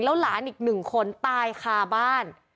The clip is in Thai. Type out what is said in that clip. แล้วหลานอีกหนึ่งคนตายคาบ้าน